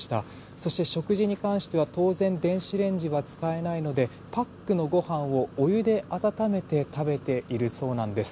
そして食事に関しては当然、電子レンジは使えないのでパックのご飯をお湯で温めて食べているそうなんです。